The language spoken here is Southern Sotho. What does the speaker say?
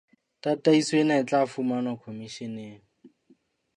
Tataiso ena e tla fumanwa Khomisheneng.